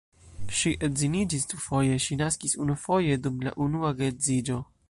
Ŝi edziniĝis dufoje, ŝi naskis unufoje dum la unua geedziĝo.